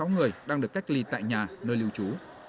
năm trăm hai mươi sáu người đang được cách ly tại nhà nơi lưu trú